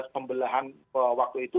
pembelahan waktu itu